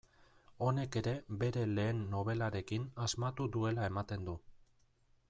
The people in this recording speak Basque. Honek ere bere lehen nobelarekin asmatu duela ematen du.